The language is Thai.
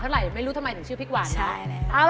เชิมฟูสีเขียว